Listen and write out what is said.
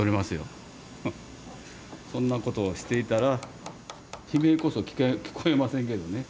そんなことをしていたら悲鳴こそ聞こえませんけどね